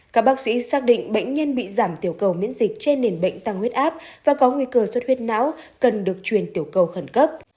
các bác sĩ xác định bệnh nhân bị giảm tiểu cầu miễn dịch trên nền bệnh tăng huyết áp và có nguy cơ suất huyết não cần được truyền tiểu cầu khẩn cấp